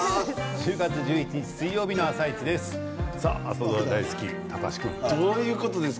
１０月１１日水曜日の「あさイチ」です。